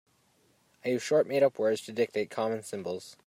I use short made-up words to dictate common symbols.